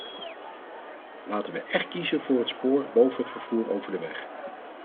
Laten we echt kiezen voor het spoor boven het vervoer over de weg!